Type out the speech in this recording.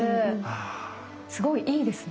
すごいいいですね。